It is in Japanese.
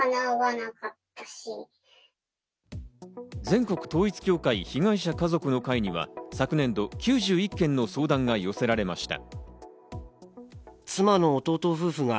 全国統一教会被害者家族の会には昨年度９１件の相談が寄せられました。